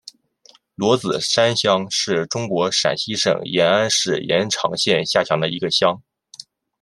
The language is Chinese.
罗子山乡是中国陕西省延安市延长县下辖的一个乡。